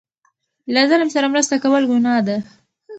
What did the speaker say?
له ظالم سره مرسته کول ګناه ده.